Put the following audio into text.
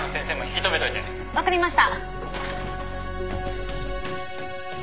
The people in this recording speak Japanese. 分かりました。